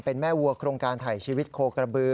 เป็นแม่วัวโครงการถ่ายชีวิตโคกระบือ